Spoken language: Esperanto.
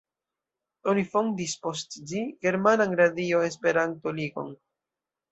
Oni fondis post ĝi „Germanan Radio-Esperanto-Ligon“.